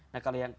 nah kalau yang